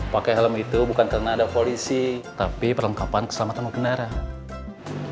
pakai helm itu bukan karena ada polisi tapi perlengkapan keselamatan